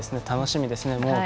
楽しみですね。